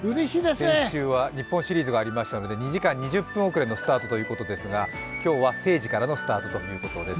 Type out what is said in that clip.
先週は日本シリーズがありましたので、２時間２０分遅れのスタートでしたが、今日は正時からのスタートということです。